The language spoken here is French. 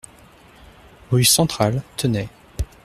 Rue Centrale, Tenay